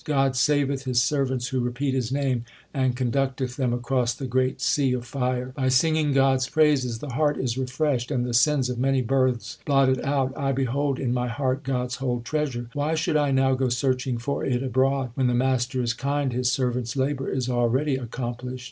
God saveth His servants who repeat His name, And conduct eth them across the great sea of fire. 1 Sail, a rock or a mountain. 134 THE SIKH RELIGION By singing God s praises the heart is refreshed, And the sins of many births blotted out. I behold in my heart God s whole treasure ; Why should I now go searching for it abroad ? When the Master is kind, His servant s labour is already accomplished.